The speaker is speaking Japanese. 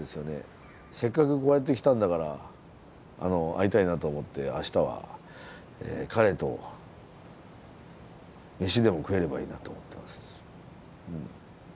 せっかくこうやって来たんだから会いたいなと思ってあしたは彼と飯でも食えればいいなと思ってます。